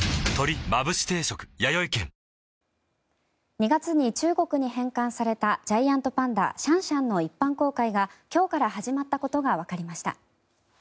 ２月に中国に返還されたジャイアントパンダシャンシャンの一般公開が今日から始まったことがわかりました。